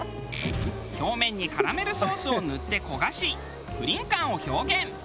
表面にカラメルソースを塗って焦がしプリン感を表現。